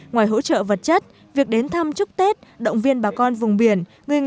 ngoài hỗ trợ vật chất việc đến thăm chúc tết động viên bà con vùng biển